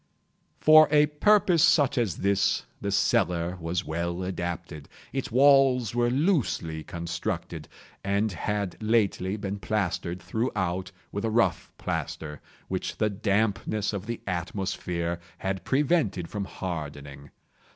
For a purpose such as this the cellar was well adapted. Its walls were loosely constructed, and had lately been plastered throughout with a rough plaster, which the dampness of the atmosphere had prevented from hardening.